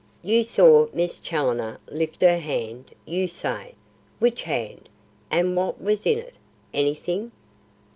"You saw Miss Challoner lift her hand, you say. Which hand, and what was in it? Anything?"